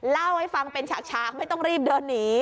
เล่าให้ฟังเป็นฉากไม่ต้องรีบเดินหนี